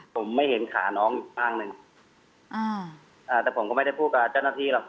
ผมไม่เห็นขาน้องอีกข้างหนึ่งอ่าอ่าแต่ผมก็ไม่ได้พูดกับเจ้าหน้าที่หรอก